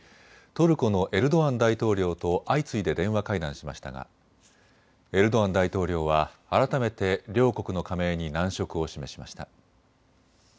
トルコのエルドアン大統領と相次いで電話会談しましたがエルドアン大統領は改めて両国の加盟に難色を示しました。